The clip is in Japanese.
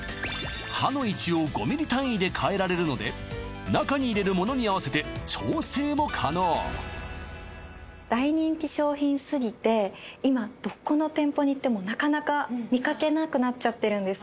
刃の位置を５ｍｍ単位で変えられるので中に入れるものに合わせて調整も可能大人気商品すぎて今どこの店舗に行ってもなかなか見かけなくなっちゃってるんです・